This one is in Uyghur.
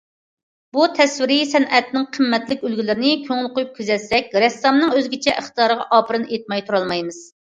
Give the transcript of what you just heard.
بۇ تەسۋىرىي سەنئەتنىڭ قىممەتلىك ئۈلگىلىرىنى كۆڭۈل قويۇپ كۆزەتسەك، رەسسامنىڭ ئۆزگىچە ئىقتىدارىغا ئاپىرىن ئېيتماي تۇرالمايمىز.